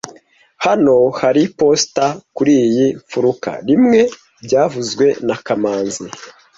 Hano hari iposita kuriyi mfuruka rimwe byavuzwe na kamanzi